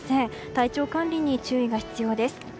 体調管理に注意が必要です。